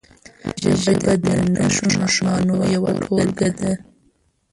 ژبه د نښو نښانو یوه ټولګه ده.